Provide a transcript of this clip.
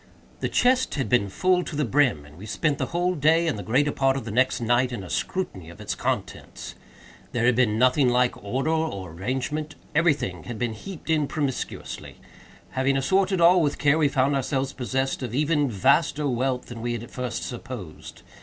The chest had been full to the brim, and we spent the whole day, and the greater part of the next night, in a scrutiny of its contents. There had been nothing like order or arrangement. Every thing had been heaped in promiscuously. Having assorted all with care, we found ourselves possessed of even vaster wealth than we had at first supposed.